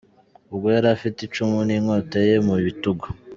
Ubwo yari afite icumu n’inkota ye mu bitugu.